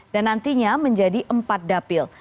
dan nantinya menjadi empat dapil